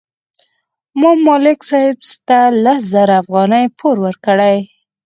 ما ملک صاحب ته لس زره افغانۍ پور ورکړې.